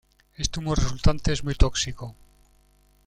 Este humo resultante es muy tóxico.